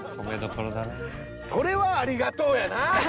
それはありがとうやな！